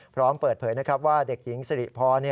พร้อมเปิดเผยนะครับว่าเด็กหญิงสิริพร